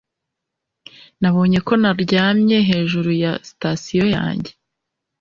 Nabonye ko naryamye hejuru ya sitasiyo yanjye